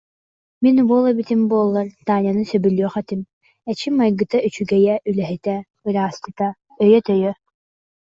«Мин уол эбитим буоллар Таняны сөбүлүөх этим, эчи, майгыта үчүгэйэ, үлэһитэ, ыраасчыта, өйө-төйө